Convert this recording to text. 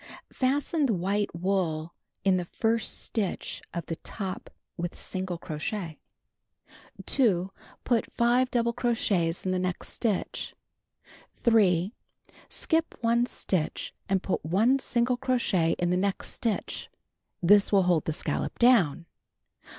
Fasten the white wool in the first stitch of the top with single crochet. 2. Put 5 double crochets in the next stitch. 3. Skip 1 stitch and put 1 single crochet in the next stitch. (This will hold the scallop down.)